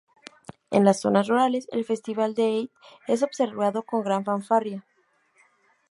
En las zonas rurales, el festival de Eid es observado con gran fanfarria.